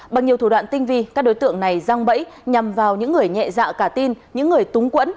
bằng nhiều thủ đoạn tinh vi các đối tượng này răng bẫy nhằm vào những người nhẹ dạ cả tin những người túng quẫn